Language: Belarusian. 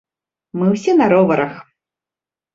Мы ўсе на роварах.